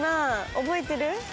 覚えてる？